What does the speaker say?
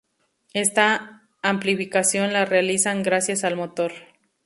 Esta amplificación la realizan gracias al motor.